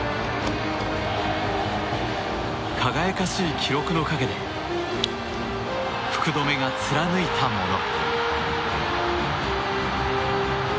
輝かしい記録の陰で福留が貫いたもの。